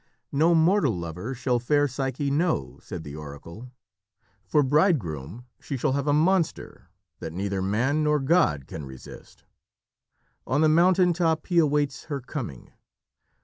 "No mortal lover shall fair Psyche know," said the oracle. "For bridegroom she shall have a monster that neither man nor god can resist. On the mountain top he awaits her coming.